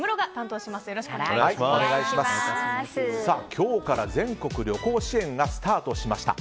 今日から全国旅行支援がスタートしました。